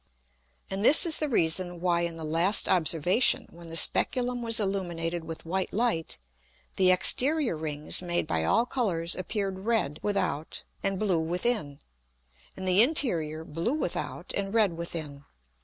And this is the reason why in the last Observation, when the Speculum was illuminated with white Light, the exterior Rings made by all Colours appeared red without and blue within, and the interior blue without and red within.